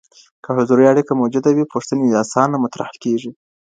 که حضوري اړيکه موجوده وي پوښتنې اسانه مطرح کيږي.